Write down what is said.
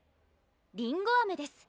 りんごあめです